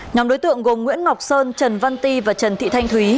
nhóm đối tượng gồm nguyễn ngọc sơn trần văn ti và trần thị thanh thúy